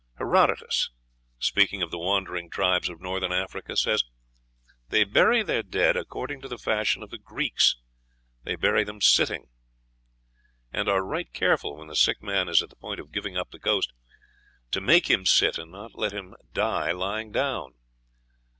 Herodotus, speaking of the wandering tribes of Northern Africa, says, "They bury their dead according to the fashion of the Greeks.... They bury them sitting, and are right careful, when the sick man is at the point of giving up the ghost, to make him sit, and not let him die lying down."